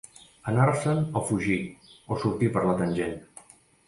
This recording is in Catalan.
Anar-se'n o Fugir, o Sortir per la tangent.